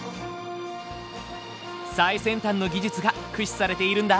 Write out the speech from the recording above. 最先端の技術が駆使されているんだ。